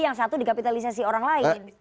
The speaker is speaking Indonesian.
yang satu dikapitalisasi orang lain